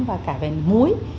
và cả về muối